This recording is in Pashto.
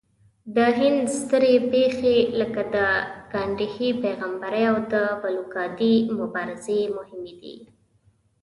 د هند سترې پېښې لکه د ګاندهي پیغمبرۍ او د بلوکادي مبارزې مهمې دي.